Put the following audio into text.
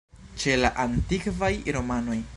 Ĉe la antikvaj romanoj.